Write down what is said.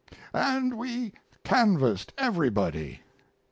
And we canvassed everybody.